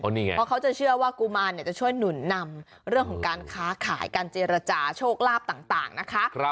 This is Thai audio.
เพราะเขาจะเชื่อว่ากุมารจะช่วยหนุนนำเรื่องของการค้าขายการเจรจาโชคลาภต่างนะคะ